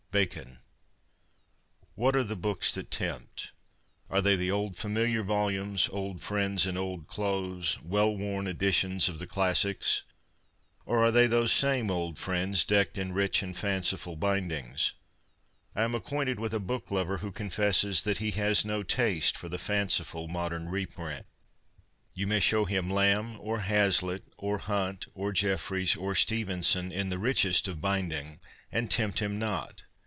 — Bacon. What are the books that tempt ? Are they the old, familiar volumes, old friends in old clothes — well worn editions of the classics ? Or are they those same old friends decked in rich and fanciful bind ings ? I am acquainted with a book lover who con fesses that he has no taste for the fanciful modern reprint. You may show him Lamb, or Hazlitt, or Hunt, or Jefferies, or Stevenson in the richest of binding, and tempt him not.